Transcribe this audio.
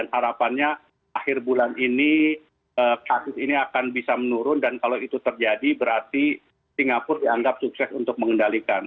harapannya akhir bulan ini kasus ini akan bisa menurun dan kalau itu terjadi berarti singapura dianggap sukses untuk mengendalikan